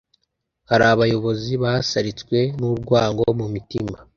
Hari abayobozi basaritswe n’urwango mu mitima